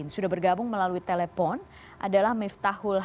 sudah bergabung melalui telepon adalah miftahul